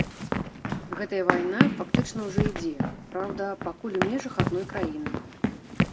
Гэтая вайна фактычна ўжо ідзе, праўда, пакуль у межах адной краіны.